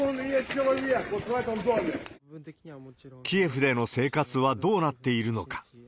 キエフでの生活はどうなっているのか。